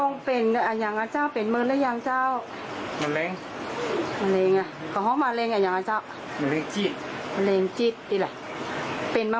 มีเมียหน้ากันมันเหมือนล่ะ